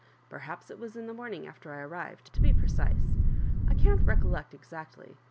Perhaps it was in the morning after I arrived, to be precise. I can't recollect exactly.